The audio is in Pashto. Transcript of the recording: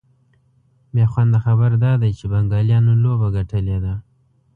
بېخونده خبر دا دی چي بنګالیانو لوبه ګټلې ده